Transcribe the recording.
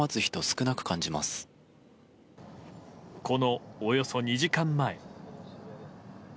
この、およそ２時間前。